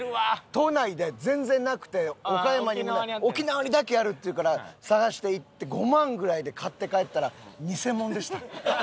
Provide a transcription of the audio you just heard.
都内で全然なくて岡山にもない沖縄にだけあるっていうから探して行って５万ぐらいで買って帰ったら偽物でした。